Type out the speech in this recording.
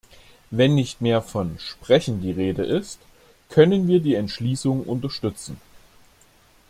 Wenn nicht mehr von "sprechen" die Rede ist, können wir die Entschließung unterstützen.